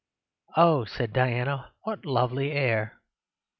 "Oh," said Diana, "what lovely air!"